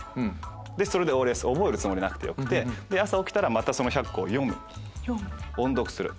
でそれで覚えるつもりなくてよくて朝起きたらまたその１００個を読む音読する。